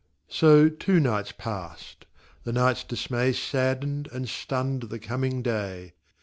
So two nights passed : the night's dismay Saddened and stunned the coming day.